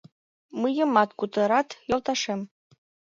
Мыйымат кутырат, йолташем.